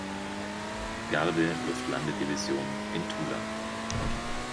Garde-Luftlande-Division" in Tula.